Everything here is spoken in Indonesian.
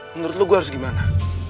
menurut lo gue harus gimana